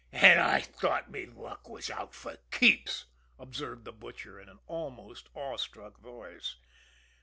"An' I thought me luck was out fer keeps!" observed the Butcher, in an almost awe struck voice.